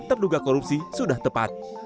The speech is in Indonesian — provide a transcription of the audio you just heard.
terduga korupsi sudah tepat